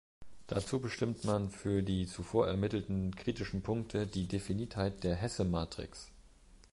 Dazu bestimmt man für die zuvor ermittelten kritischen Punkte die Definitheit der Hesse-Matrix.